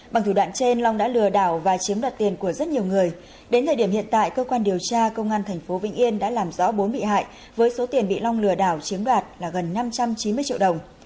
bằng thủ đoạn trên long đã lừa đảo và chiếm đoạt tiền của rất nhiều người đến thời điểm hiện tại cơ quan điều tra công an tp vĩnh yên đã làm rõ bốn bị hại với số tiền bị long lừa đảo chiếm đoạt là gần năm trăm chín mươi triệu đồng